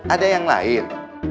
ada yang lain